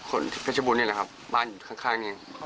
คนที่พระเจ้าบุญเนี่ยแหละครับบ้านอยู่ข้างเนี่ยอ๋อ